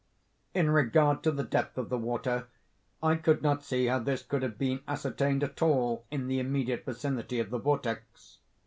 In regard to the depth of the water, I could not see how this could have been ascertained at all in the immediate vicinity of the vortex.